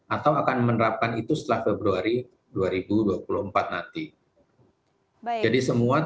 atau akan menerapkan itu setelah februari dua ribu dua puluh empat nanti